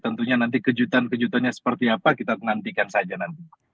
tentunya nanti kejutan kejutannya seperti apa kita nantikan saja nanti